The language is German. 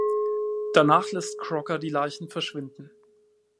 Danach lässt Crocker die Leichen verschwinden.